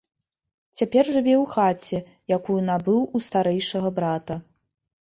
Цяпер жыве ў хаце, якую набыў у старэйшага брата.